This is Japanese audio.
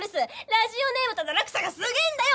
ラジオネームとの落差がすげえんだよ